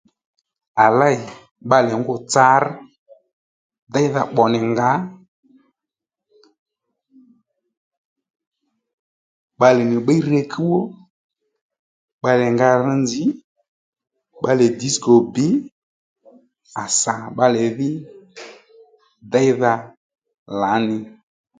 À lêy bbalè ngû tsǎr déydha bbò nì ngǎ bbalè nì bbiy re kúw ó bbalè nì nga rř nzǐ bbalè disco bbǐ à sà bbalè dhí deydha lǎní nì